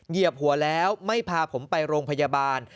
เหยียบหัวแล้วไม่พาผมไปโรงพยาบาล